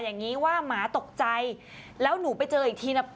อันนี้ไม่ใช่แล้วลิ่น